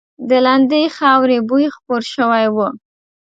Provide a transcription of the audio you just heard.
د لندې خاورې بوی خپور شوی و.